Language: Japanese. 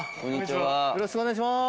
よろしくお願いします！